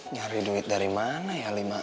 nyari duit dari mana ya lima m